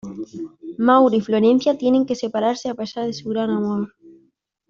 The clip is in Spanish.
Mauro y Florencia tienen que separarse a pesar de su gran amor.